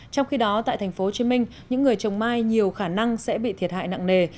trong khi đó tại tp hcm những người trồng mai nhiều khả năng sẽ bị thiệt hại nặng nề